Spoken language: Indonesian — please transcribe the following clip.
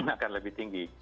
akan lebih tinggi